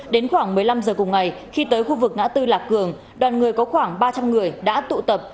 đến khoảng một mươi năm giờ cùng ngày khi tới khu vực ngã tư lạc cường đoàn người có khoảng ba trăm linh người đã tụ tập